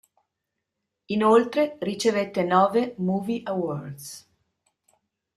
Inoltre ricevette nove Movie Awards.